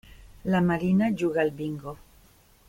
La Marina juga al bingo.